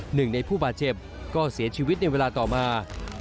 หนึ่งในผู้บาดเจ็บก็เสียชีวิตในเวลาต่อมา